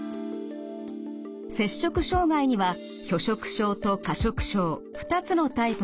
摂食障害には拒食症と過食症２つのタイプがあります。